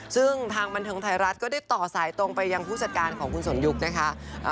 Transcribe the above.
ซึ่งทางบันเทิงไทยรัฐก็ได้ต่อสายตรงไปยังผู้จัดการของคุณสนยุคนะคะ